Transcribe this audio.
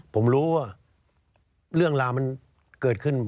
ผมรู้ว่าเรื่องราวมันเกิดขึ้น